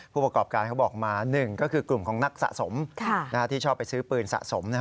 ผู้ประกอบการเขาบอกมา๑ก็คือกลุ่มของนักสะสมที่ชอบไปซื้อปืนสะสม